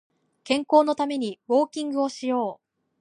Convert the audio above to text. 健康のためにウォーキングをしよう